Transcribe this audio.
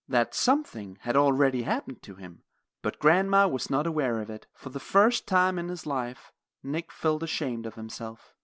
That something had already happened to him, but grandma was not aware of it. For the first time in his life, Nick felt ashamed of himself.